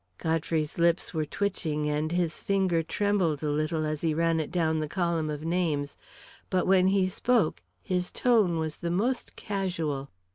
Godfrey's lips were twitching and his finger trembled a little as he ran it down the column of names, but when he spoke, his tone was the most casual.